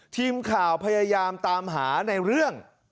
ทีมข่าวพยายามตามหาในเรื่อง